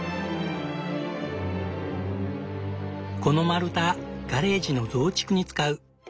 この丸太ガレージの増築に使う。